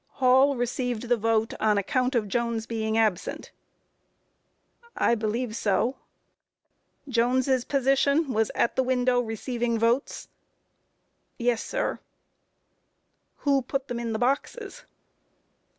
Q. Hall received the vote on account of Jones being absent? A. I believe so. Q. Jones' position was at the window receiving votes? A. Yes, sir. Q. Who put them in the boxes?